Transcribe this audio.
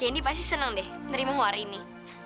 candy pasti seneng deh nerima mau hari ini